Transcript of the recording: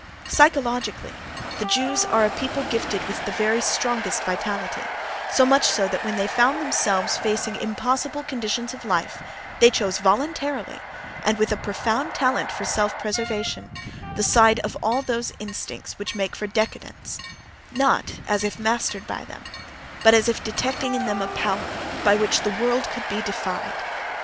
Psychologically, the Jews are a people gifted with the very strongest vitality, so much so that when they found themselves facing impossible conditions of life they chose voluntarily, and with a profound talent for self preservation, the side of all those instincts which make for décadence—not as if mastered by them, but as if detecting in them a power by which "the world" could be defied.